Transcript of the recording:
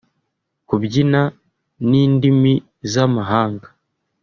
kubyina n’indimi z’amahanga